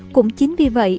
cũng chính vì vậy